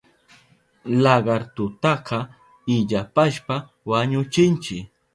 Lagartutaka illapashpa wañuchinchi.